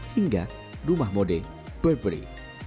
hingga rumah mode burberry